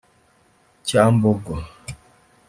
Kyambogo